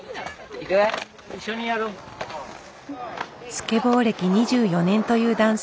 スケボー歴２４年という男性。